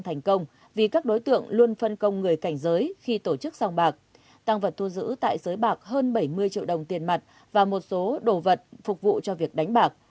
tăng vật luôn phân công người cảnh giới khi tổ chức xong bạc tăng vật thu giữ tại giới bạc hơn bảy mươi triệu đồng tiền mặt và một số đồ vật phục vụ cho việc đánh bạc